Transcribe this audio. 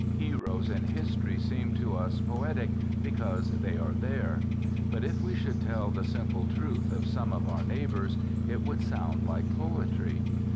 Heroes in history seem to us poetic because they are there. But if we should tell the simple truth of some of our neighbors, it would sound like poetry.